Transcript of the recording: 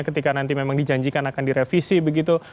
ketika nanti memang dijanjikan akan direvisi begitu